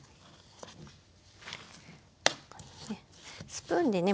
スプーンでね